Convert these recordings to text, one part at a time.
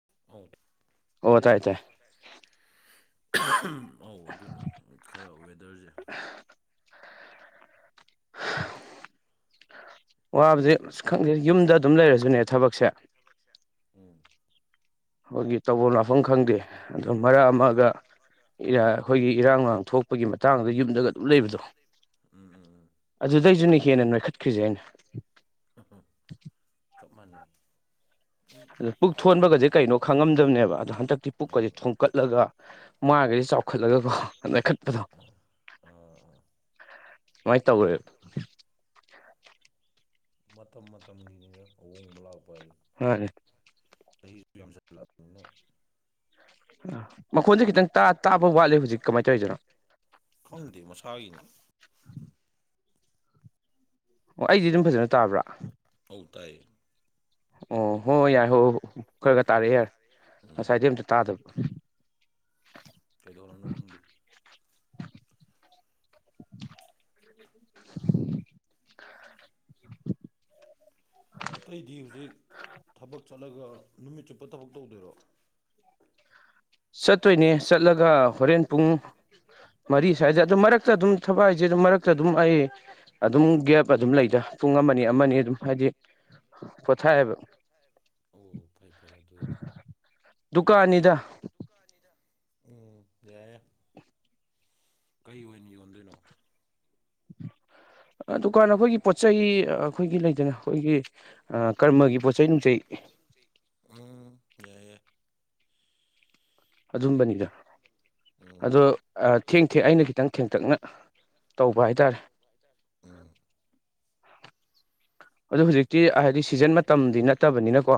[unintelligible] ꯑꯣ ꯇꯥꯏ ꯇꯥꯏ ꯑꯧ ꯑꯗꯨꯅꯤ ꯈꯔ ꯋꯦꯗꯔꯁꯦ ꯋꯥꯕꯁꯦ ꯑꯩꯈꯣꯏ ꯑꯁ ꯈꯪꯗꯦ ꯌꯨꯝꯗ ꯑꯗꯨꯝ ꯂꯩꯔꯁꯨꯅꯦ ꯊꯕꯛꯁꯦ ꯊꯕꯛꯁꯦ ꯎꯝ ꯑꯩꯈꯣꯏꯒꯤ ꯇꯧꯐꯝ ꯂꯛꯐꯝ ꯈꯪꯗꯦ ꯑꯗꯣ ꯃꯔꯛ ꯑꯃꯒ ꯑꯩꯈꯣꯏꯒꯤ ꯏꯔꯥꯡ ꯂꯥꯡꯊꯣꯛ ꯒꯤ ꯃꯇꯥꯡꯗ ꯌꯨꯝꯗꯒ ꯑꯗꯨꯝ ꯂꯩꯕꯗꯣ ꯎꯝ ꯎꯝ ꯎꯝ ꯑꯗꯨꯗꯩꯁꯨꯅ ꯍꯦꯟꯅ ꯅꯣꯏꯈꯠꯈ꯭ꯔꯤꯁꯦ ꯑꯩꯅ [unintelligible] ꯆꯞ ꯃꯥꯟꯅꯩ ꯑꯗꯣ ꯄꯨꯛ ꯊꯣꯟꯕꯒꯁꯦ ꯀꯩꯅꯣ ꯈꯪꯉꯝꯗꯕꯅꯦꯕ ꯑꯗꯣ ꯍꯟꯗꯛꯇꯤ ꯑꯥ ꯄꯨꯛꯀꯁꯦ ꯊꯣꯒꯠꯂꯒ ꯃꯥꯒꯁꯦ ꯆꯥꯎꯈꯠꯂꯒꯀꯣ ꯅꯣꯏꯈꯠꯄꯗꯣ ꯑꯥ ꯑꯃꯥꯏꯅ ꯇꯧꯈꯔꯦꯕ ꯃꯇꯝ ꯃꯇꯝꯒꯤꯅꯤꯗ ꯑꯍꯣꯡꯕ ꯂꯥꯛꯄ ꯍꯥꯏꯗꯣ ꯃꯥꯟꯅꯦ ꯆꯍꯤꯁꯨ ꯌꯥꯝꯁꯤꯜꯂꯛꯑꯕꯅꯦ ꯃꯈꯣꯟꯁꯦ ꯈꯤꯇꯪ ꯇꯥ- ꯇꯥꯕ ꯋꯥꯠꯂꯤ ꯍꯧꯖꯤꯛ ꯀꯃꯥꯏꯅ ꯇꯧꯔꯤꯖꯥꯠꯅꯣ ꯈꯪꯗꯦ ꯃꯁꯥꯒꯤꯅꯤ꯫ ꯑꯣ ꯑꯩꯗꯤ ꯑꯗꯨꯝ ꯑꯩꯒꯤꯗꯤ ꯇꯥꯕ꯭ꯔꯥ ꯐꯖꯅ ꯇꯥꯕ꯭ꯔ? ꯑꯧ ꯇꯥꯏꯌꯦ꯫ ꯑꯣ ꯍꯣꯏ- ꯍꯣꯏ ꯌꯥꯔꯦ ꯍꯣꯏ -ꯍꯣꯏ ꯈꯔ- ꯈꯔ ꯇꯥꯔꯛꯑꯦ ꯌꯥꯔꯦ ꯎꯝ ꯉꯁꯥꯏꯗꯩ ꯑꯝꯇ ꯇꯥꯗꯕ꯫ ꯀꯩꯗꯧꯔꯕꯅꯣ ꯈꯪꯗꯦ [unintelligible] [unintelligible] ꯑꯇꯩꯗꯤ ꯍꯧꯖꯤꯛ ꯊꯕꯛ ꯆꯠꯂꯒ ꯅꯨꯃꯤꯠ ꯆꯨꯞꯄ ꯊꯕꯛ ꯇꯧꯗꯣꯏꯔꯣ ꯆꯠꯇꯣꯏꯅꯦ ꯆꯠꯂꯒ ꯍꯣꯔꯦꯟ ꯄꯨꯡ ꯃꯔꯤ ꯁ꯭ꯋꯥꯏꯗ ꯑꯗꯨ ꯃꯔꯛꯇ ꯑꯗꯨꯝ ꯊꯕꯛ ꯍꯥꯏꯁꯦ ꯑꯗꯨꯝ ꯃꯔꯛꯇ ꯑꯗꯨꯝ ꯑꯩ ꯑꯗꯨꯝ ꯒꯦꯞ ꯑꯗꯨꯝ ꯂꯩꯗ ꯄꯨꯡ ꯑꯃꯅꯤ ꯑꯃꯅꯤ ꯑꯗꯨꯝ ꯍꯥꯏꯗꯤ ꯄꯣꯊꯥꯏꯕ ꯄꯣꯊꯥꯏꯑꯕ ꯑꯣ ꯐꯩ-ꯐꯩ ꯑꯗꯨ ꯑꯣꯏꯗꯤ ꯗꯨꯀꯥꯟꯅꯤꯗ ꯀꯥꯟꯅꯤꯗ ꯎꯝ ꯌꯥꯌꯥ ꯀꯩ ꯑꯣꯏꯅ ꯌꯣꯟꯗꯣꯏꯅꯣ ꯑ ꯗꯨꯀꯥꯟ ꯑꯈꯣꯏꯒꯤ ꯄꯣꯠ ꯆꯩ ꯑꯩꯈꯣꯏꯒꯤ ꯂꯩꯇꯅ ꯑꯩꯈꯣꯏꯒꯤ ꯀꯔꯃꯒꯤ ꯄꯣꯠꯆꯩ ꯅꯨꯡꯆꯩ ꯑ ꯌꯥꯏ ꯌꯥꯏ ꯑꯗꯨꯝꯕꯅꯤꯗ ꯎꯝ ꯑꯗꯣ ꯑ ꯊꯦꯡ ꯊꯦꯡ ꯑꯩꯅ ꯈꯤꯇꯪ ꯊꯦꯡꯇꯛꯅ ꯇꯧꯕ ꯍꯥꯏꯇꯥꯔꯦ ꯎꯝ ꯑꯗꯨ ꯍꯧꯖꯤꯛꯇꯤ ꯑꯍꯥꯏꯗꯤ ꯁꯤꯖꯟ ꯃꯇꯝꯗꯤ ꯅꯠꯇꯕꯅꯤꯅꯀꯣ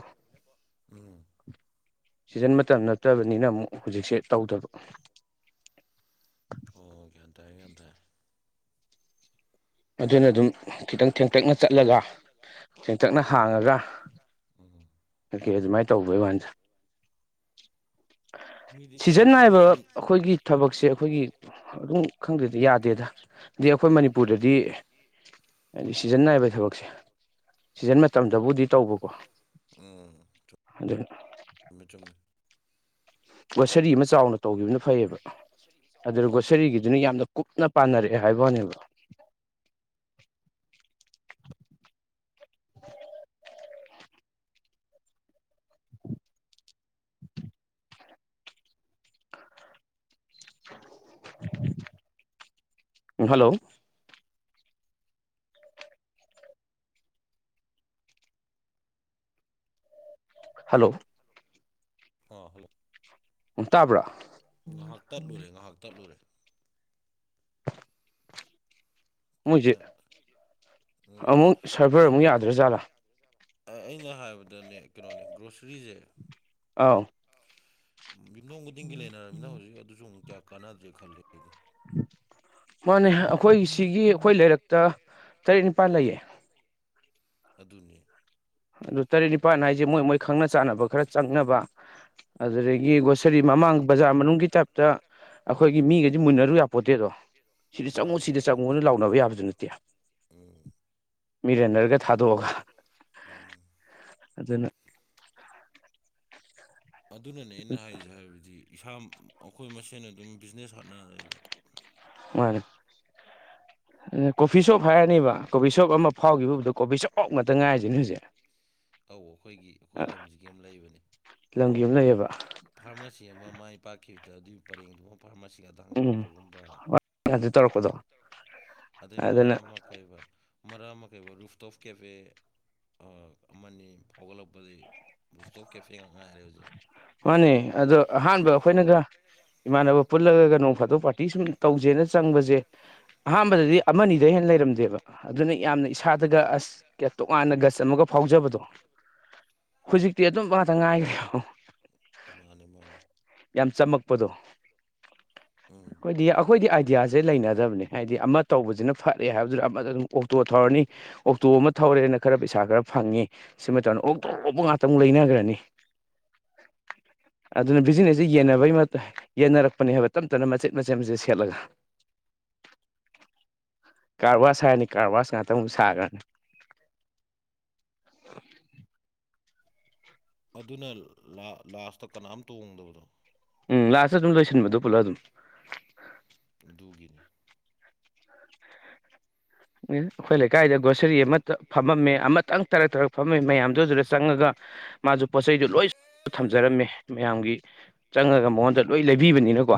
ꯎꯝ ꯁꯤꯖꯤꯟ ꯃꯇꯝ ꯅꯠꯇꯕꯅꯤꯅ ꯑꯃꯨꯛ ꯍꯧꯖꯤꯛꯁꯦ ꯇꯧꯗꯕ ꯑꯣ ꯒ꯭ꯌꯥꯟ ꯇꯥꯔꯦ ꯒ꯭ꯌꯥꯟ ꯇꯥꯔꯦ ꯑꯗꯨꯅ ꯗꯨꯝ ꯈꯤꯇꯪ ꯊꯦꯡꯇꯛꯅ ꯆꯠꯂꯒ ꯊꯦꯡꯇꯛꯅ ꯇꯛꯅ ꯍꯥꯡꯉꯒ ꯎꯝ ꯑꫭꯀꯦ ꯑꯗꯨꯃꯥꯏ ꯇꯧꯕꯩ ꯋꯥꯅꯤꯗ ꯃꯤꯗꯤ ꯁꯤꯖꯟ ꯃꯤꯗꯤ ꯅꯥꯏꯕ ꯑꯗꯨꯝ ꯑꯩꯈꯣꯏꯒꯤ ꯊꯕꯛꯁꯦ ꯑꯩꯈꯣꯏꯒꯤ ꯑꯗꯨꯝ ꯈꯪꯗꯦꯗ ꯌꯥꯗꯦꯗ ꯗꯤ ꯑꯩꯈꯣꯏ ꯃꯅꯤꯄꯨꯔꯗꯗꯤ ꯑꯗꯨꯗꯒꯤ ꯍꯥꯏꯗꯤ ꯁꯤꯖꯟ ꯅꯥꯏꯕ ꯁꯤꯖꯟꯅꯥꯏꯕ ꯊꯕꯛꯁꯦ ꯁꯤꯖꯟ ꯃꯇꯝꯗꯕꯨꯗꯤ ꯇꯧꯕꯅꯤ ꯎꯝ ꯑꯗꯨꯅ ꯆꯨꯝꯃꯦ ꯆꯨꯝꯃꯦ ꯒꯣꯁꯔꯤ ꯑꯃ ꯆꯥꯎꯅ ꯇꯧꯈꯤꯕꯅ ꯐꯩꯌꯦꯕ ꯑꯗꯨꯗ ꯒꯣꯁꯔꯤꯒꯤꯗꯨꯅ ꯌꯥꯝꯅ ꯀꯨꯞꯅ ꯄꯥꯟꯅꯔꯛꯑꯦ ꯍꯥꯏꯕꯋꯥꯅꯦꯕ [inaudible] ꯍꯜꯂꯣ ꯍꯜꯂꯣ ꯑ ꯍꯜꯂꯣ ꯎꯝ ꯇꯥꯕ꯭ꯔꯥ ꯇꯥꯕ꯭ꯔꯥ ꯉꯥꯍꯥꯛ ꯇꯠꯂꯨꯔꯦ ꯉꯥꯍꯥꯛ ꯇꯠꯂꯨꯔꯦ ꯃꯣꯏꯁꯦ ꯑꯩꯅ ꯎꯝ ꯑꯃꯨꯛ ꯁꯔꯚꯔ ꯑꯃꯨꯛ ꯌꯥꯗ꯭ꯔ ꯖꯥꯠꯂꯥ ꯌꯥꯗ꯭ꯔꯥꯖꯥꯠꯂ ꯑ ꯑꯩꯅ ꯍꯥꯏꯕꯗꯅꯦ ꯀꯩꯅꯣꯅꯦ ꯒ꯭ꯔꯣꯁꯔꯤꯖꯦ ꯑꯥꯎ ꯌꯨꯝꯗꯣꯡ ꯈꯨꯗꯤꯡꯒꯤ ꯂꯩꯅꯔꯕꯅꯤꯅ ꯍꯧꯖꯤꯛ ꯑꯗꯨꯁꯨ ꯑꯃꯨꯛ ꯀꯌꯥ ꯀꯥꯟꯅꯗ꯭ꯔꯦ ꯈꯜꯂꯤ ꯑꯩꯗꯤ ꯃꯥꯅꯦ ꯑꯩꯈꯣꯏ ꯁꯤꯒꯤ ꯑꯩꯈꯣꯏ ꯂꯩꯔꯛꯇ ꯇꯔꯦꯠ ꯅꯤꯄꯥꯜ ꯂꯩꯌꯦ ꯄꯥꯟ ꯂꯩꯌꯦ ꯑꯗꯨꯅꯤ ꯑꯗꯨ ꯇꯔꯦꯠ ꯅꯤꯄꯥꯜ ꯍꯥꯏꯖꯦ ꯃꯣꯏ ꯑꯗꯨꯗ ꯃꯣꯏ ꯈꯪꯅ ꯆꯥꯟꯅꯕ ꯈꯔ ꯆꯪꯅꯕ ꯑꯗꯨꯗꯒꯤ ꯒꯣꯁ ꯇꯔꯤ ꯃꯃꯥꯡ ꯕꯖꯥꯔ ꯃꯅꯨꯡꯒꯤ ꯇꯥꯏꯞꯇ ꯑꯩꯈꯣꯏꯒꯤ ꯃꯤꯒꯩꯖꯦ ꯃꯨꯟꯅꯔꯨ ꯌꯥꯄꯣꯠꯇꯦꯗꯣ ꯁꯤꯗ ꯆꯪꯉꯨ ꯃꯥꯅꯦ ꯁꯤꯗ ꯃꯥꯅꯦ ꯆꯪꯉꯣꯅ ꯂꯥꯎꯅꯕ ꯌꯥꯕꯖꯨ ꯅꯠꯇꯦ ꯎꯝ ꯃꯤ ꯔꯟꯅꯔꯒ ꯃꯤꯔꯅꯔꯒ ꯊꯥꯗꯣꯛꯑꯒ ꯊꯗꯣꯑꯒ ꯎꯝ ꯑꯗꯨꯅ ꯑꯗꯨꯅꯅꯦ ꯑꯩꯅ ꯍꯥꯏꯖꯦ ꯍꯥꯏꯕꯗꯤ ꯏꯁꯥ ꯑꯩꯈꯣꯏ ꯃꯁꯦꯟ ꯑꯗꯨꯝ ꯕꯤꯖꯤꯅꯦꯁ ꯍꯣꯠꯅꯔꯦꯕ ꯃꯥꯅꯦ ꯑ ꯀꯣꯐꯤ ꯁꯣꯞ ꯍꯥꯏꯔꯅꯤꯕ ꯀꯣꯐꯤ ꯁꯣꯞ ꯑꯃ ꯐꯥꯎꯈꯤꯕꯕꯨꯗ ꯀꯣꯐꯤ ꯁꯣꯞ ꯉꯥꯛꯇ ꯉꯥꯏꯔꯤꯁꯤꯅꯦ ꯍꯧꯖꯤꯛ ꯑꯧ ꯑꯩꯈꯣꯏꯒꯤ ꯑꯩꯈꯣꯏ ꯂꯝꯁꯤꯒꯤ ꯑꯃ ꯂꯩꯕꯅꯦ ꯂꯝꯒꯤ ꯑꯃ ꯂꯩꯌꯦꯕ꯫ ꯐꯥꯔꯃꯥꯁꯤ ꯑꯃ ꯃꯥꯏ ꯄꯥꯛꯈꯤꯕꯗ ꯑꯗꯨꯒꯤ ꯄꯔꯦꯡꯗꯨꯃ ꯐꯥꯔꯃꯥꯁꯤ ꯉꯥꯛ ꯎꯝ ꯊꯥꯡꯖꯜꯂꯛꯄꯒꯨꯝꯕ ꯑꯗꯨ ꯇꯧꯔꯛꯄꯗꯣ ꯑꯗꯩ ꯑꯗꯨꯅ ꯃꯔꯥꯝ ꯀꯩꯕ ꯃꯔꯛ ꯑꯃ ꯀꯩꯕ ꯔꯨꯐꯇꯣꯐ ꯀꯦꯐꯦ ꯑ ꯑꯃꯅꯤ ꯐꯥꯎꯒꯠꯂꯛꯄꯗꯤ ꯃꯥꯅꯤ ꯑꯗꯣ ꯑꯍꯥꯟꯕ ꯑꯩꯈꯣꯏꯅꯒ__ ꯏꯃꯥꯟꯅꯕ ꯄꯨꯜꯂꯒ ꯅꯣꯡ ꯐꯥꯗꯣꯛ ꯄꯥꯔꯇꯤ ꯁꯨꯝ ꯇꯧꯁꯦꯅ ꯆꯪꯕꯖꯦ ꯎꯝ ꯑꯍꯥꯟꯕꯗꯗꯤ ꯑꯃꯅꯤꯗꯩ__ ꯍꯦꯟꯅ ꯂꯩꯔꯝꯗꯦꯕ ꯑꯗꯨꯅ ꯌꯥꯝꯅ ꯏꯁꯥꯗꯒ ꯑꯁ ꯇꯣꯉꯥꯟꯅ ꯒꯁ ꯑꯃꯒ ꯐꯥꯎꯖꯕꯗꯣ꯫ ꯍꯧꯖꯤꯛꯇꯤ ꯑꯗꯨꯝꯕ ꯉꯥꯛꯇ ꯉꯥꯏꯈ꯭ꯔꯦ꯫ ꯃꯥꯅꯦ ꯃꯥꯅꯦ ꯌꯥꯝ ꯆꯝꯃꯛꯄꯗꯣ ꯎꯝ ꯑꯩꯈꯣꯏꯗꯤ ꯑꯩꯈꯣꯏꯗꯤ ꯑꯥꯏꯗꯤꯌꯥꯁꯦ ꯂꯩꯅꯗꯕꯅꯦ ꯍꯥꯏꯗꯤ ꯑꯃ ꯇꯧꯕꯁꯤꯅ ꯐꯔꯦ ꯍꯥꯏꯕꯗꯨꯗ ꯑꯃꯗ ꯑꯗꯨꯝ ꯑꯣꯛꯇꯣ ꯊꯧꯔꯅꯤ ꯑꯣꯛꯇꯣ ꯑꯃ ꯊꯧꯔꯦꯅ ꯈꯔ ꯄꯩꯁꯥ ꯈꯔ ꯐꯪꯉꯦ ꯁꯤꯃ ꯇꯧꯅꯤ ꯑꯣꯛꯇꯣꯛ ꯑꯃꯨꯛ ꯉꯥꯛꯇ ꯑꯃꯨꯛ ꯂꯩꯅꯈ꯭ꯔꯅꯤ inaudible ꯑꯗꯨꯅ ꯕꯤꯖꯤꯅꯦꯁꯁꯤꯦ ꯌꯦꯟꯅꯕꯒꯤ ꯌꯦꯟꯅꯔꯛꯄꯅꯦ ꯍꯥꯏꯕ ꯇꯞ ꯇꯞꯅ ꯃꯆꯦꯠ ꯃꯆꯦꯠ ꯁꯦꯠꯂꯒ inaudible ꯀꯥꯔ ꯋꯥꯁ ꯍꯥꯏꯔꯅꯤ ꯀꯥꯔꯋꯥꯁ ꯉꯥꯛꯇ ꯑꯃꯨꯛ ꯁꯥꯈ꯭ꯔꯅꯤ ꯑꯗꯨꯅ ꯂꯥꯁꯇ ꯀꯅꯥꯝ ꯇꯣꯡꯗꯕꯗꯣ ꯎꯝ ꯂꯥꯁꯇ ꯑꯗꯨꯝ ꯂꯣꯏꯁꯤꯟꯕꯗꯣ ꯄꯨꯂꯞ ꯑꯗꯨꯝ ꯑꯗꯨꯒꯤꯅꯤ ꯑꯩꯈꯣꯏ ꯂꯩꯀꯥꯏꯗ ꯒ꯭ꯔꯣꯁꯔꯤ ꯑꯃ ꯐꯝꯃꯝꯃꯦ ꯑꯃꯇꯪ ꯇꯔꯛ ꯇꯥꯔꯛ ꯐꯝꯃꯝꯃꯦ ꯃꯌꯥꯝꯗꯨ ꯑꯗꯨꯗ ꯆꯪꯉꯒ ꯃꯥꯁꯨ ꯄꯣꯠ ꯆꯩꯗꯨ ꯂꯣꯏ ꯁꯨꯅꯕ ꯊꯝꯖꯔꯝꯃꯦ ꯃꯌꯥꯝꯒꯤ ꯆꯪꯉꯒ ꯎꯝ ꯃꯉꯣꯟꯗ ꯂꯣꯏ ꯂꯩꯕꯤꯕꯅꯤꯅꯀꯣ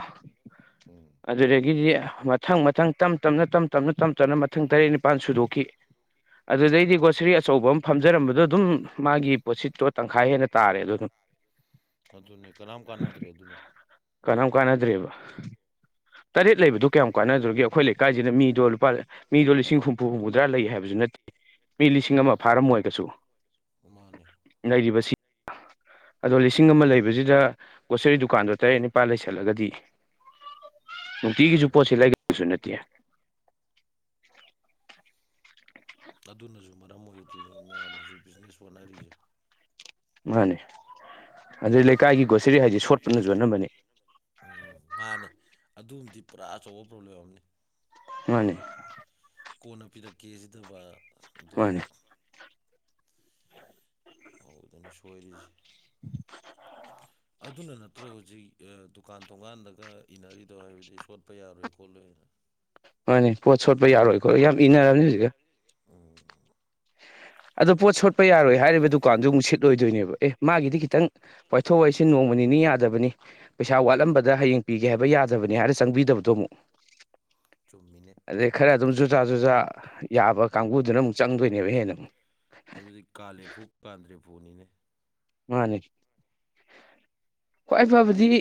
ꯎꯝ ꯑꯗꯨꯗꯒꯤꯗꯤ ꯃꯊꯪ ꯃꯊꯪ ꯇꯞ ꯇꯅ ꯇ ꯇꯞ ꯇꯞꯅ ꯃꯊꯪ ꯇꯔꯦꯠ ꯅꯤꯄꯥꯜ ꯁꯨꯗꯣꯛꯈꯤ ꯁꯨꯨꯗꯣꯛꯈꯤ ꯑꯗꯨꯗꯩꯗꯤ ꯎꯝ ꯒ꯭ꯔꯣꯁꯔꯤ ꯑꯆꯧꯕ ꯑꯃ ꯑꯗꯨꯗꯩꯗꯤ--inaudibleꯒꯤ ꯑꯆꯧꯕ ꯐꯝꯖꯔꯝꯕꯗꯣ ꯑꯃ ꯑꯗꯨꯝ ꯐꯝꯖꯔꯝꯕꯗꯣ ꯑꯗꯨꯝ ꯃꯥꯒꯤ ꯄꯣꯠꯁꯤꯠꯇꯣ ꯃꯥꯒꯤ ꯄꯣꯠꯁꯤꯠ ꯇꯪꯈꯥꯏ ꯇꯣ ꯍꯦꯟꯅ ꯇꯥꯔꯦ ꯇꯪꯈꯥꯏꯥ ꯑꯗꯨ ꯍꯦꯟꯅ ꯇꯥꯔꯦꯕ ꯑꯗꯨꯝ ꯑꯗꯨꯅꯦ ꯀꯅꯥꯝ ꯀꯥꯟꯅꯗ꯭ꯔꯦ ꯑꯗꯨꯅ ꯀꯅꯥꯝ ꯀꯥꯟꯅꯗ꯭ꯔꯦꯕ ꯇꯔꯦꯠ ꯂꯩꯕꯗꯣ ꯀꯌꯥꯝ ꯀꯥꯟꯅꯗꯧꯔꯤꯒꯦ ꯑꯩꯈꯣꯏ ꯂꯩꯀꯥꯏꯁꯤꯅ ꯃꯤꯗꯣ ꯂꯨꯄꯥ unintelligible ꯃꯤꯗꯣ ꯂꯤꯁꯤꯡ ꯍꯨꯝꯐꯨ ꯍꯨꯝꯐꯨꯇꯔꯥ ꯂꯩ ꯍꯥꯏꯕꯁꯨ ꯅꯠꯇꯦ ꯃꯤ ꯂꯤꯁꯤꯡ ꯑꯃ ꯐꯥꯔꯝꯃꯣꯏ ꯀꯩꯁꯨ ꯃꯥꯅꯦ ꯂꯩꯔꯤꯕꯁꯤ ꯑꯗꯣ ꯂꯤꯁꯤꯡ ꯑꯃ ꯂꯩꯕꯁꯤꯗ ꯒ꯭ꯔꯣꯁꯔꯤ ꯗꯨꯀꯥꯟꯗꯣ ꯇꯔꯦꯠ ꯅꯤꯄꯥꯜ ꯂꯩꯁꯜꯂꯒꯗꯤ ꯇꯤꯒꯤꯁꯨ ꯃꯥꯅꯦ ꯄꯣꯠꯁꯤ ꯃꯥꯅꯦ ꯂꯩꯒꯗꯕꯁꯨ ꯅꯠꯇꯦ ꯑꯗꯨꯅꯁꯨ ꯃꯔꯝ ꯑꯣꯏꯔꯗꯣꯏ ꯅꯦ ꯃꯌꯥꯝ ꯅ ꯍꯧꯖꯤꯛ ꯕꯤꯖꯤꯅꯦꯁ ꯋꯥꯅꯔꯤꯁꯦ ꯃꯥꯅꯦ ꯑꯗꯩ ꯂꯩꯀꯥꯏꯒꯤ ꯒ꯭ꯔꯣꯁꯔꯤ ꯍꯥꯏꯁꯦ ꯁꯣꯠꯄꯅꯁꯨ ꯑꯅꯝꯕꯅꯤ ꯎꯝ ꯃꯥꯟꯅꯦ ꯑꯗꯨꯝꯗꯤ ꯄꯨꯔꯥ ꯑꯆꯧꯕ ꯄ꯭ꯔꯣꯕ꯭ꯂꯦꯝ ꯑꯃꯅꯤ ꯃꯥꯅꯦ ꯀꯣꯟꯅ ꯄꯤꯔꯛꯀꯦ ꯁꯤꯗꯕ ꯑꯗꯨꯝ ꯃꯥꯅꯦ ꯍꯧꯕꯗꯩꯅꯤ ꯁꯣꯏꯔꯤꯁꯦ ꯑꯗꯨꯅ ꯅꯠꯇ꯭ꯔꯣ ꯍꯧꯖꯤꯛ ꯑꯦ ꯗꯨꯀꯥꯟ ꯊꯣꯡꯒꯥꯟꯗꯒ ꯏꯅꯔꯤꯗꯣ ꯍꯥꯏꯕꯗꯤ ꯁꯣꯠꯄ ꯌꯥꯔꯣꯏ ꯈꯣꯠꯂꯣꯏꯅ ꯍꯣꯏꯅꯦ ꯄꯣꯠ ꯁꯣꯠꯄ ꯌꯥꯔꯣꯏꯀꯣ ꯌꯥꯝ ꯏꯅꯔꯕꯅꯤ ꯍꯧꯖꯤꯛꯀꯥꯟ ꯎꯝ ꯑꯗꯣ ꯄꯣꯠ ꯁꯣꯠꯄ ꯌꯥꯔꯣꯏ ꯍꯥꯏꯔꯤꯕ ꯗꯨ unintelligible ꯗꯨꯀꯥꯟꯁꯨ ꯑꯃꯨꯛ ꯁꯤꯠ ꯂꯣꯏꯗꯣꯏꯅꯦꯕ ꯑꯦ ꯃꯥꯒꯤꯗꯤ ꯈꯤꯇꯪ ꯋꯥꯏꯊꯣꯛ ꯋꯥꯏꯁꯤꯟꯅꯣꯡꯃ ꯅꯤꯅꯤ ꯅꯣꯡꯃ ꯌꯥꯗꯕꯅꯤ ꯄꯩꯁꯥ ꯎꯝ ꯋꯥꯠꯂꯝꯕꯗ ꯍꯌꯦꯡ ꯄꯤꯒꯦ ꯍꯥꯏꯕ ꯌꯥꯗꯕꯅꯤ ꯍꯥꯏꯔ ꯆꯪꯕꯤꯗꯕꯗꯣ ꯑꯃꯨꯛ ꯆꯨꯝꯃꯤꯅꯦ ꯑꯗꯩ ꯈꯔ ꯑꯗꯨꯝ ꯖꯨꯖꯥ ꯖꯨꯖꯥ ꯌꯥꯕ ꯀꯥꯡꯕꯨꯗꯨꯅ ꯑꯃꯨꯛ ꯆꯪꯗꯣꯏꯅꯦꯕ ꯍꯦꯟꯅ ꯑꯃꯨꯛ ꯑꯗꯨꯗꯤ ꯀꯥꯂꯦꯐꯨ ꯀꯥꯗ꯭ꯔꯦꯐꯨ ꯅꯤꯅꯦ ꯃꯥꯟꯅꯦ ꯈ꯭ꯋꯥꯏ ꯐꯕꯗꯤ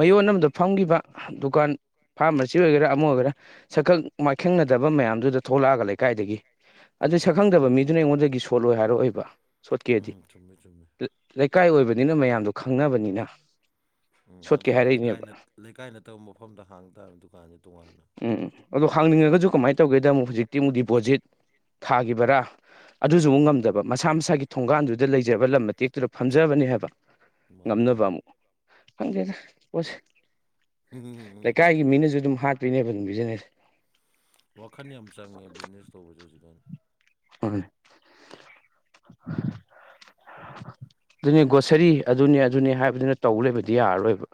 ꯃꯌꯣꯟ ꯑꯃꯗ ꯐꯝꯈꯤꯕ ꯗꯨꯀꯥꯟ ꯐꯥꯔꯃꯥꯁꯤ ꯑꯣꯏꯒꯦꯔꯥ ꯑꯃ ꯑꯣꯏꯒꯦꯔꯥ ꯁꯛꯈꯪ ꯃꯥꯏꯈꯪꯅꯗꯕ ꯃꯌꯥꯝꯗꯨꯗ ꯊꯣꯛꯂꯛꯑꯒ ꯂꯩꯀꯥꯏꯗꯒꯤ ꯑꯗꯨ ꯎꯝ ꯁꯛꯈꯪꯗꯕ ꯃꯤꯗꯨꯅ ꯑꯩꯉꯣꯟꯗꯒꯤ ꯁꯣꯠꯂꯣꯏ ꯍꯥꯏꯔꯛꯑꯣꯏꯕ ꯁꯣꯠꯀꯦꯗꯤ ꯎꯝ ꯆꯨꯝꯃꯦ ꯆꯨꯝꯃꯦ ꯂꯩꯀꯥꯏ ꯑꯣꯏꯕꯅꯤꯅ ꯃꯌꯥꯝꯗꯣ ꯈꯪꯅꯕꯅꯤꯅ ꯎꯝ ꯁꯣꯠꯀꯦ ꯑꯗꯨꯅ ꯂꯩꯀꯥꯏ ꯍꯥꯏꯔꯛꯏꯅꯦꯕ ꯂꯩꯀꯥꯏ ꯅꯠꯇꯕ ꯃꯐꯝꯗ ꯍꯥꯡ ꯇꯥꯕꯃꯤ ꯗꯨꯀꯥꯟꯁꯦ ꯇꯣꯉꯥꯟꯅ ꯎꯝ ꯑꯗꯣ ꯍꯥꯡꯅꯤꯡꯉꯒꯁꯨ ꯀꯃꯥꯏꯅ ꯇꯧꯒꯦꯗ ꯑꯃꯨꯛ ꯍꯧꯖꯤꯛꯇꯤ ꯑꯃꯨꯛ ꯗꯤꯄꯣꯖꯤꯠ ꯊꯥꯒꯤ ꯕꯔꯥ ꯑꯗꯨꯁꯨ ꯑꯃꯨꯛ ꯎꯝ ꯉꯝꯗꯕ ꯃꯁꯥ ꯃꯁꯥꯒꯤ ꯊꯣꯡꯒꯥꯟꯗꯨꯗ ꯂꯩꯖꯕ ꯂꯝ ꯃꯇꯦꯛꯇꯨꯗ ꯐꯝꯖꯕꯅꯦ ꯍꯥꯏꯕ ꯃꯥꯅꯦ ꯉꯝꯅꯕ ꯃꯥꯅꯦ ꯑꯃꯨꯛ ꯈꯪꯗꯦꯗ ꯄꯣꯠꯁꯦ ꯂꯩꯀꯥꯏꯒꯤ ꯃꯤꯅꯖꯨ ꯑꯗꯨꯝ ꯍꯥꯠꯄꯤꯅꯦꯕ ꯑꯗꯨꯝ ꯕꯤꯖꯤꯟꯅꯦꯁ ꯋꯥꯈꯟ ꯌꯥꯝ ꯆꯪꯉꯦ ꯕꯤꯖꯤꯅꯦꯁ ꯇꯧꯕꯖꯦ ꯍꯧꯖꯤꯛꯀꯥꯟ [unintelligible] ꯑꯗꯨꯅꯦ ꯒꯣꯁꯥꯔꯤ ꯑꯗꯨꯅꯤ ꯑꯗꯨꯅꯤ ꯍꯥꯏꯕꯗꯨꯅ ꯇꯧ ꯂꯩꯕꯗꯤ ꯌꯥꯔꯔꯣꯏꯕ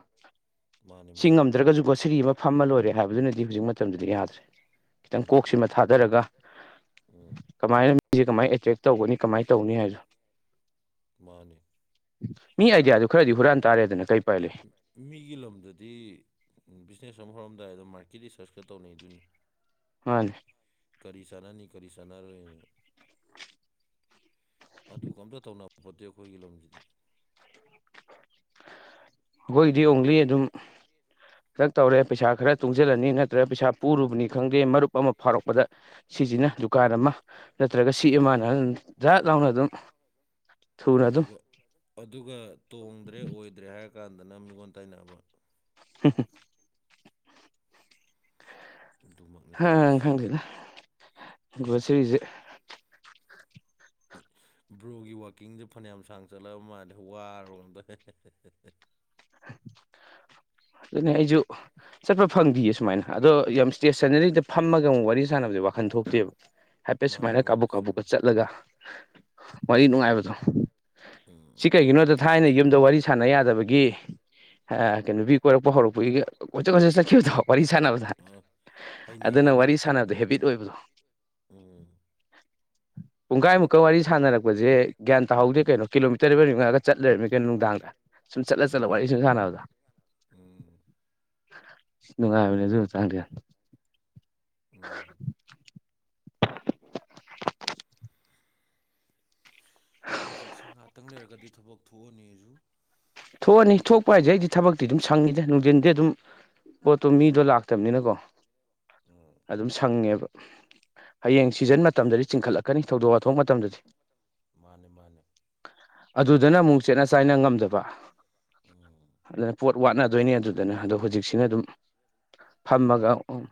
ꯃꯥꯅꯤ ꯁꯤ ꯃꯥꯅꯤ ꯉꯝꯗ꯭ꯔꯒꯖꯨ ꯒꯣꯁꯥꯔꯤ ꯑꯃ ꯐꯝꯃ ꯂꯣꯏꯔꯦ ꯍꯥꯏꯕꯗꯨꯅꯗꯤ ꯍꯧꯖꯤꯛ ꯃ ꯃꯇꯝꯗꯗꯤ ꯌꯥꯗ꯭ꯔꯦ ꯈꯤꯇꯪ ꯎꯝ ꯀꯣꯛꯁꯤꯃ ꯊꯥꯗꯔꯒ ꯎꯝ ꯀꯃꯥꯏꯅ ꯃꯤꯖꯦ ꯀꯃꯥꯏ ꯑꯦꯇ꯭ꯔꯦꯛ ꯇꯧꯒꯅꯤ ꯀꯃꯥꯏ ꯇꯧꯅꯤ ꯍꯥꯏꯕꯖꯦ ꯃꯥꯅꯤ ꯃꯤ ꯑꯥꯏꯗꯤꯌꯥꯗꯨ ꯈꯔꯗꯤ ꯍꯨꯔꯥꯟ ꯇꯥꯔꯦꯗꯅ ꯀꯩ ꯎꯄꯥꯏ ꯂꯩ ꯃꯤꯒꯤ ꯂꯝꯗꯗꯤ ꯕꯤꯖꯤꯅꯦꯁ ꯑꯃ ꯍꯧꯔꯝꯗꯥꯏꯗ ꯃꯥꯔꯀꯦꯠ ꯔꯤꯁꯔꯁꯀ ꯇꯧꯅꯩꯗꯨꯅꯤ ꯃꯥꯅꯤ ꯀꯔꯤ ꯆꯥꯟꯅꯅꯤ ꯀꯔꯤ ꯆꯥꯟꯅꯔꯣꯏꯅ ꯑꯗꯨꯒ ꯑꯝꯇ ꯇꯧꯅꯕ ꯄꯣꯠꯇꯦ ꯑꯩꯈꯣꯏꯒꯤ ꯂꯝꯖꯤꯗꯤ ꯑꯈꯣꯏꯒꯤꯗꯤ ꯑꯣꯡꯂꯤ ꯑꯗꯨꯝ ꯈꯔ ꯇꯧꯔꯦ ꯄꯩꯁꯥ ꯈꯔ ꯇꯨꯡꯖꯤꯜꯂꯅꯤ ꯅꯠꯇ꯭ꯔꯒ ꯄꯩꯁꯥ ꯄꯨꯔꯨꯕꯅꯤ ꯈꯪꯗꯦ ꯃꯔꯨꯞ ꯑꯃ ꯐꯥꯎꯔꯛꯄꯗ ꯁꯤꯖꯤꯅ ꯗꯨꯀꯥꯟ ꯑꯃ ꯅꯠꯇ꯭ꯔꯒ ꯁꯤ [unintelligible] ꯗꯔꯠ ꯂꯥꯎꯅ ꯑꯗꯨꯝ ꯊꯨꯅ ꯑꯗꯨꯝ ꯑꯗꯨꯒ ꯑꯗꯨꯒ ꯇꯣꯡꯗ꯭ꯔꯦ ꯑꯣꯏꯗ꯭ꯔꯦ ꯍꯥꯏꯔꯀꯥꯟꯗꯅ ꯃꯤꯉꯣꯟ ꯇꯥꯏꯅꯕ [unintelligible] ꯑꯗꯨꯃꯛ ꯍꯥ ꯈꯪꯗꯦꯗꯥ ꯒ꯭ꯔꯣꯁꯔꯤꯖꯤ ꯕ꯭ꯔꯣꯒꯤ ꯋꯥꯛꯀꯤꯡꯖꯦ ꯐꯅꯌꯥꯝ ꯁꯥꯡ ꯆꯠꯂꯛꯑꯕ ꯃꯥꯜꯂꯦ ꯋꯥꯔꯕ ꯀꯩꯅꯣꯝ ꯇꯧꯋꯦ ꯑꯗꯨꯅꯤ ꯑꯩꯖꯨ ꯆꯠꯄ ꯐꯪꯗꯤꯌꯦ ꯁꯨꯃꯥꯏꯅ ꯑꯗꯣ ꯌꯥꯝ ꯏꯁꯇꯦꯁꯟꯅꯔꯤꯗ ꯐꯝꯃꯒ ꯑꯃꯨꯛ ꯋꯥꯔꯤ ꯁꯥꯟꯅꯕꯖꯦ ꯋꯥꯈꯟ ꯊꯣꯛꯇꯦꯕ ꯍꯥꯏꯐꯦꯠ ꯃꯥꯅꯦ ꯁꯨꯃꯥꯏꯅ ꯃꯥꯅꯦ ꯀꯥꯕꯨꯛ ꯀꯥꯕꯨꯛꯀ ꯆꯨꯝꯃꯤ ꯆꯠꯂꯒ ꯋꯥꯔꯤ ꯅꯨꯡꯉꯥꯏꯕꯗꯣ ꯎꯝ ꯁꯤ ꯀꯩꯒꯤꯅꯣꯗ ꯊꯥꯏꯅ ꯌꯨꯝꯗ ꯋꯥꯔꯤ ꯁꯥꯟꯅ ꯌꯥꯗꯕꯒꯤ ꯍ ꯀꯩꯅꯣ ꯅꯨꯄꯤ ꯀꯣꯏꯔꯛꯄ ꯍꯧꯔꯛꯄꯒꯤ ꯀꯣꯏꯆꯠ ꯀꯣꯏꯆꯠ ꯆꯠꯈꯤꯕꯗꯣ ꯋꯥꯔꯤ ꯁꯥꯟꯅꯕꯗ ꯑ ꯑꯗꯨꯅ ꯍꯩꯅꯈꯤꯕ ꯋꯥꯔꯤ ꯁꯥꯟꯅꯕꯗ ꯍꯦꯕꯤꯠ ꯑꯣꯏꯕꯗꯣ ꯎꯝ ꯄꯨꯡꯒꯥꯏꯃꯨꯛꯀ ꯋꯥꯔꯤ ꯁꯥꯟꯅꯔꯛꯄꯖꯦ ꯒ꯭ꯌꯥꯟ ꯇꯥꯍꯧꯗꯦ ꯀꯩꯅꯣ ꯀꯤꯂꯣꯃꯤꯇꯔ ꯃꯤꯔꯤ ꯃꯉꯥꯒ ꯆꯠ ꯂꯩꯔꯝꯃꯤ ꯀꯩꯅꯣ ꯅꯨꯡꯗꯥꯡꯗ ꯁꯨꯝ ꯆꯠꯂ ꯆꯠꯂ ꯋꯥꯔꯤ [unintelligible] ꯗꯣ ꯎꯝ ꯎꯝ ꯅꯨꯡꯉꯥꯏꯕꯅꯤ ꯑꯗꯨ ꯃꯇꯥꯡꯗꯣ ꯌꯥꯝ ꯎꯝ ꯍꯧꯖꯤꯛꯁꯤ ꯉꯥꯛꯇꯪ ꯂꯩꯔꯒꯗꯤ ꯊꯕꯛ ꯊꯣꯛꯑꯅꯤ ꯑꯩꯖꯨ ꯊꯣꯛꯑꯅꯤ ꯊꯣꯛꯄ ꯍꯥꯏꯖꯦ ꯑꯩꯗꯤ ꯊꯕꯛꯇꯤ ꯑꯗꯨꯝ ꯁꯪꯉꯤꯗ ꯅꯨꯡꯗꯤꯟꯗꯤ ꯑꯗꯨꯝ ꯄꯣꯠꯇꯣ ꯃꯤꯗꯣ ꯂꯥꯛ ꯇꯝꯅꯤꯅꯀꯣ ꯎꯝ ꯑꯗꯨꯝ ꯁꯪꯉꯦꯕ ꯍꯌꯦꯡ ꯁꯤꯖꯟ ꯃꯇꯝꯗꯗꯤ ꯆꯤꯟꯈꯠꯂꯛꯀꯅꯤ ꯊꯧꯗꯣꯛ ꯋꯥꯊꯣꯛ ꯃꯇꯝꯗꯗꯤ ꯃꯥꯅꯦ ꯃꯥꯅꯦ ꯑꯗꯨꯗꯅ ꯑꯃꯨꯛ ꯆꯦꯠꯅ ꯆꯥꯏꯅ ꯉꯝꯗꯕ ꯎꯝ ꯑꯗꯨꯅ ꯄꯣꯠ ꯋꯥꯠꯅꯗꯣꯏꯅꯦ ꯑꯗꯨꯗꯅ ꯑꯗꯣ ꯍꯧꯖꯤꯛꯁꯤꯅ ꯑꯗꯨꯝ ꯐꯝꯃꯒ ꯎꯝ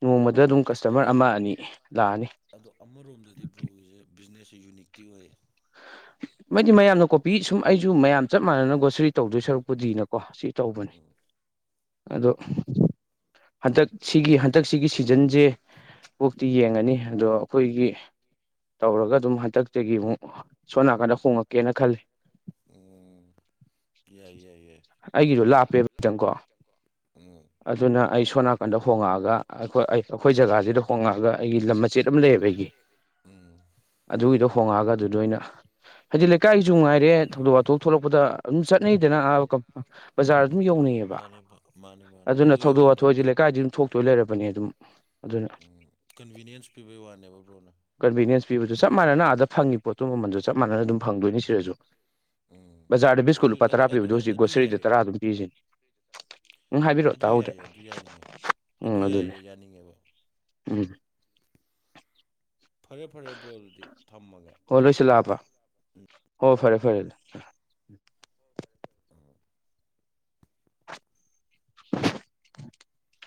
ꯅꯣꯡꯃꯗ ꯑꯗꯨꯝ ꯑꯗꯣ ꯀꯁꯇꯃꯔ ꯑꯃ ꯑꯅꯤ ꯂꯥꯛꯑꯅꯤ ꯑꯗꯣ ꯑꯃꯔꯣꯝꯗꯗꯤ ꯕ꯭ꯔꯣꯒꯤꯁꯦ ꯕꯤꯖꯤꯅꯦꯁꯁꯦ ꯌꯨꯅꯤꯛꯇꯤ ꯑꯣꯏ ꯃꯣꯏꯗꯤ ꯃꯌꯥꯝꯅ ꯀꯣꯄꯤ ꯁꯨꯝ ꯑꯩꯖꯨ ꯃꯌꯥꯝ ꯆꯞ ꯃꯥꯟꯅꯅ ꯒꯣꯁꯔꯤ ꯇꯧꯗꯣꯏ ꯁꯔꯨꯛꯄꯨꯗꯤꯅ ꯀꯣ ꯁꯤ ꯇꯧꯕꯅꯤ ꯎꯝ ꯑꯗꯣ ꯍꯟꯇꯛ ꯁꯤꯒꯤ ꯍꯟꯗꯛꯁꯤꯒꯤ ꯁꯤꯖꯟꯖꯦ ꯀꯣꯛꯇꯤ ꯌꯦꯡꯉꯅꯤ ꯑꯗꯣ ꯑꯩꯈꯣꯏꯒꯤ ꯇꯧꯔꯒ ꯑꯗꯨꯝ ꯍꯟꯇꯛꯇꯒꯤ ꯑꯃꯨꯛ ꯁꯣꯟ ꯅꯥꯀꯟꯗ ꯍꯣꯡꯉꯛꯀꯦꯅ ꯈꯜꯂꯤ ꯎꯝ ꯌꯥꯏ ꯌꯥꯏ ꯌꯥꯏ ꯑꯩꯒꯤꯗꯣ ꯂꯥꯞꯄꯦꯕ ꯑꯩꯒꯤꯁꯨ ꯈꯤꯇꯪꯀꯣ ꯂꯞꯄꯦꯕꯥ ꯀꯣ ꯎꯝ ꯑꯗꯨꯅ ꯑꯩ ꯁꯣꯝ ꯅꯥꯀꯟꯗ ꯍꯣꯡꯉꯛꯑꯒ ꯍꯤꯏ ꯑꯩ ꯑꯩꯈꯣꯏ ꯖꯒꯥꯁꯤꯗ ꯍꯣꯡꯉꯛꯑꯒ ꯑꯩꯒꯤ ꯂꯝ ꯃꯆꯦꯠ ꯑꯗꯨ ꯂꯩꯔꯒꯅꯤ ꯎꯝ ꯑꯗꯨꯒꯤꯗꯣ ꯍꯣꯉꯛꯑꯒ ꯑꯗꯨꯗ ꯑꯣꯏꯅꯥ ꯍꯥꯏꯗꯤ ꯂꯩꯀꯥꯏꯒꯤꯁꯨ ꯅꯨꯡꯉꯥꯏꯔꯦ ꯊꯧꯗꯣꯛ ꯋꯥꯊꯣꯛ ꯊꯣꯛꯂꯛꯄꯗ ꯑꯗꯨꯝ ꯆꯠꯅꯩꯗꯅ ꯑꯕ ꯀꯄ ꯕꯖꯥꯔ ꯑꯗꯨꯝ ꯌꯧꯅꯩꯑꯌꯦꯕ ꯃꯥꯅꯦ ꯃꯥꯅꯦ ꯃꯥꯅꯦ ꯑꯗꯨꯅ ꯑꯗꯨ ꯊꯧꯗꯣꯛ ꯋꯥꯊꯣꯛ ꯍꯥꯏꯁꯦ ꯌꯧꯍꯟꯗꯕꯤꯗ ꯂꯩꯀꯥꯏꯗꯤ ꯑꯗꯨꯝ ꯊꯣꯛꯇꯣꯏ ꯂꯩꯔꯕꯅꯦ ꯑꯗꯨꯝ ꯑꯗꯨꯅ ꯎꯝ ꯀꯟꯚꯤꯅꯤꯌꯦꯟꯁ ꯄꯤꯕꯩ ꯋꯥꯅꯦꯕ ꯕ꯭ꯔꯣꯅ ꯀꯟꯚꯤꯅꯦꯟꯁ ꯄꯤꯕꯁꯨ ꯆꯞ ꯃꯥꯟꯅꯅꯥ ꯑꯗ ꯐꯪꯉꯤ ꯄꯣꯠꯇꯨ ꯃꯃꯜꯗꯨꯁꯨ ꯆꯞ ꯃꯥꯟꯅꯅ ꯑꯗꯨꯝ ꯐꯪꯗꯣꯏꯅꯤ ꯁꯤꯗꯁꯨ ꯎꯝ ꯕꯖꯥꯔꯗ ꯕꯤꯁꯀꯨꯠ ꯑꯗꯨ ꯂꯨꯄꯥ ꯑꯗꯨ ꯇꯔꯥ ꯑꯗꯨ ꯄꯤꯕꯗꯨ ꯍꯧꯖꯤꯛ ꯑꯗꯨ ꯒ꯭ꯔꯣꯁꯔꯤꯗ ꯌꯥꯏꯌꯦ ꯇꯔꯥ ꯑꯗꯨꯝ ꯄꯤꯔꯤꯁꯤꯅꯤ ꯎꯝ ꯍꯥꯏꯕꯤꯔꯛꯑꯣ ꯑꯗꯨ ꯇꯥꯍꯧꯗ꯭ꯔꯦ ꯌꯥꯏꯌꯦ ꯑꯗꯨ ꯌꯥꯅꯤꯡꯉꯦ ꯑꯗꯨ ꯎꯝ ꯑꯗꯨꯅꯦ ꯌꯥꯏꯌꯦ ꯌꯥꯅꯤꯡꯉꯦꯕ ꯎꯝ ꯐꯔꯦ ꯐꯔꯦ ꯕ꯭ꯔꯣ ꯑꯗꯨꯗꯤ ꯊꯝꯃꯒꯦ ꯍꯣꯏ ꯂꯣꯏꯁꯤꯜꯂꯥꯛꯑꯕ ꯑꯣ ꯐꯔꯦ ꯐꯔꯦ ꯍ ꯐꯔꯦ ꯐꯔꯦ [unintelligible]